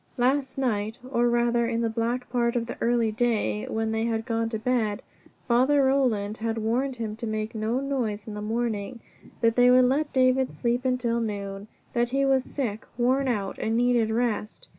Last night, or rather in that black part of the early day when they had gone to bed, Father Roland had warned him to make no noise in the morning; that they would let David sleep until noon; that he was sick, worn out, and needed rest.